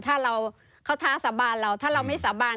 ถ้าเราเขาท้าสาบานเราถ้าเราไม่สาบาน